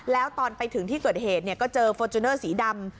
แล้วตอนไปถึงที่เกิดเหตุก็เจอฟอร์จูเนอร์สีดำ